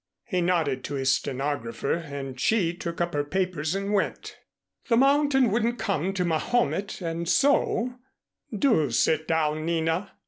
He nodded to his stenographer and she took up her papers and went. "The mountain wouldn't come to Mahomet and so " "Do sit down, Nina."